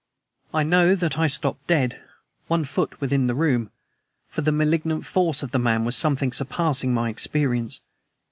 I know that I stopped dead, one foot within the room, for the malignant force of the man was something surpassing my experience.